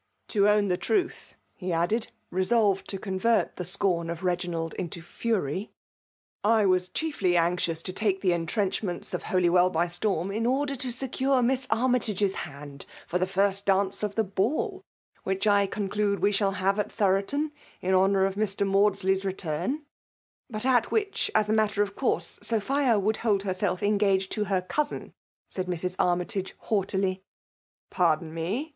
" To own the truth," he added,— 4:csolvcd to convert the scorn of Reginald into fury, — ^"I wa^ chiefly anxious to lake the entrenchments. jof' Holywell by storm, in order to secure Miss vmiAhn ' i>OMiNATroK: 1)8 Aniiytage^id hand for the :first dance of the ball which I con(Jude we shall have at Thorotonin hoiunir of Mr. Mandsley's return/' *' But at which, ^ a matter of course, Sophii would hdd herself engaged to her cousin/' said Mrs. Armytage haughtily. Pardon me